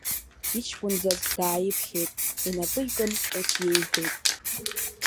Иҷкәын заҵә дааиԥхьеит, инапы икын ус иеиҳәеит…